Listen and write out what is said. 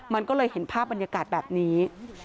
มันก็เลยเห็นภาพบรรยากาศแบบนี้